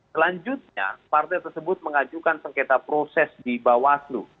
selanjutnya partai tersebut mengajukan sengketa proses di bawaslu